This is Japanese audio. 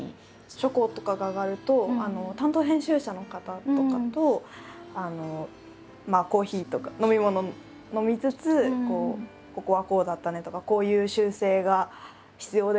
初稿とかが上がると担当編集者の方とかとコーヒーとか飲み物を飲みつつ「ここはこうだったね」とか「こういう修正が必要だよね」